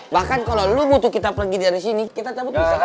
bahkan kalo lo butuh kita pergi dari sini kita cabut bisa